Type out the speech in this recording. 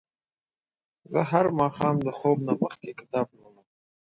زه هر ماښام د خوب نه مخکې کتاب لولم.